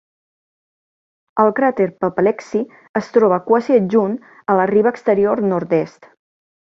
El cràter Papaleksi es troba quasi adjunt a la riba exterior nord-est.